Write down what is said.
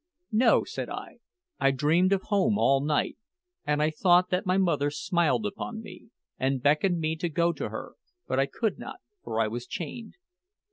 "No," said I. "I dreamed of home all night, and I thought that my mother smiled upon me and beckoned me to go to her; but I could not, for I was chained."